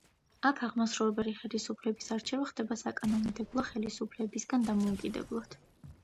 აქ აღმასრულებელი ხელისუფლების არჩევა ხდება საკანონმდებლო ხელისუფლებისაგან დამოუკიდებლად.